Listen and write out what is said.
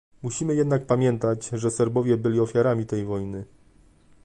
Musimy jednak pamiętać, że Serbowie byli ofiarami tej wojny